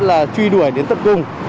là truy đuổi đến tận cùng